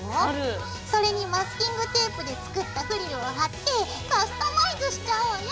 それにマスキングテープで作ったフリルを貼ってカスタマイズしちゃおうよ！